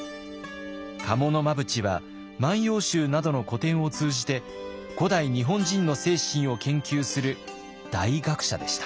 賀茂真淵は「万葉集」などの古典を通じて古代日本人の精神を研究する大学者でした。